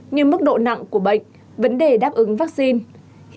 như mức độ nặng của bệnh vấn đề đáp ứng vaccine